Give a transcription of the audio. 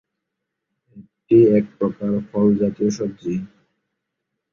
এটি এক প্রকার ফল জাতীয় সবজি।